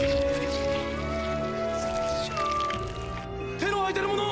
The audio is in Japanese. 手の空いてる者！